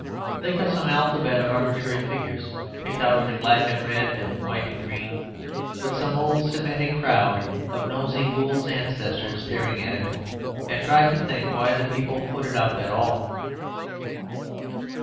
Think of some alphabet of arbitrary figures picked out in black and red, or white and green, with some old Semitic crowd of Nosey Gould's ancestors staring at it, and try to think why the people put it up at all."